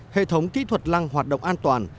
hệ thống kỹ thuật lăng hoạt động an toàn